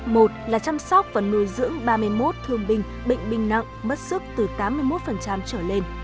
một là chăm sóc và nuôi dưỡng ba mươi một thương binh bệnh binh nặng mất sức từ tám mươi một trở lên